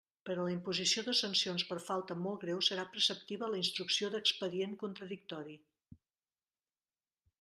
Per a la imposició de sancions per falta molt greu serà preceptiva la instrucció d'expedient contradictori.